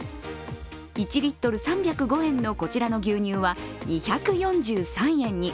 １リットル３０５円のこちらの牛乳は２４３円に。